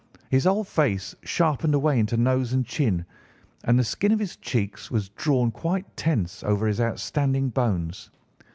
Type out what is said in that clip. His whole face sharpened away into nose and chin, and the skin of his cheeks was drawn quite tense over his outstanding bones.